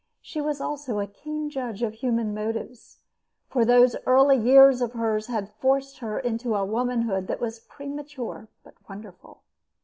She was also a keen judge of human motives, for those early years of hers had forced her into a womanhood that was premature but wonderful.